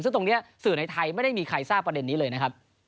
ซึ่งตรงนี้สื่อในไทยไม่ได้มีใครทราบประเด็นนี้เลยนะครับ